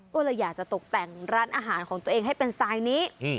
ก็เลยอยากจะตกแต่งร้านอาหารของตัวเองให้เป็นทรายนี้